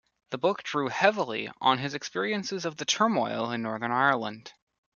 The book drew heavily on his experiences of the turmoil in Northern Ireland.